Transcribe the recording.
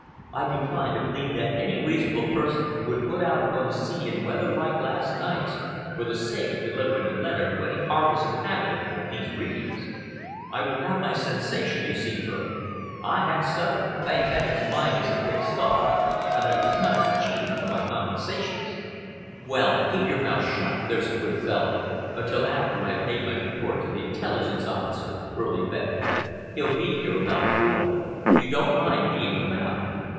I decline to believe that any reasonable person would put out upon the sea in weather like last night's for the sake of delivering a letter to any harmless inhabitant of these regions. I will have my sensation, you see, Furley. I have suffered thank heavens mine is a thick skull! and I will not be cheated of my compensations." "Well, keep your mouth shut, there's a good fellow, until after I have made my report to the Intelligence Officer," Furley begged. "He'll be here about four. You don't mind being about?"